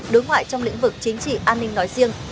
đối ngoại trong lĩnh vực chính trị an ninh nói riêng